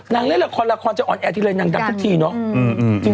เล่นละครละครจะออนแอร์ทีเลยนางดำทุกทีเนาะ